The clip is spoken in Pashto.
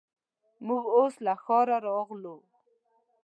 موږ اوس له ښاره راغلو.